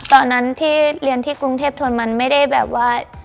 ตอนนั้นที่เรียนที่กรุงเทพทนมันไม่ได้แบบว่า